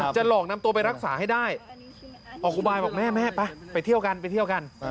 จะหลอกนำตัวไปรักษาให้ได้ออกอุบายแม่ไปเที่ยวกัน